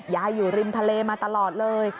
อยู่ริมทะเลมาตลอดเลย